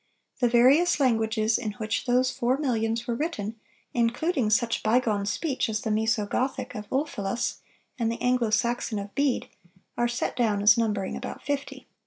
The various languages in which those four millions were written, including such bygone speech as the Mœso Gothic of Ulfilas and the Anglo Saxon of Bede, are set down as numbering about fifty."